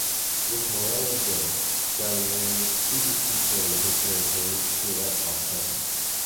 With Morello dead, Salieri seizes control of his territories throughout Lost Heaven.